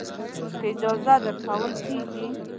که اجازه درکول کېږي.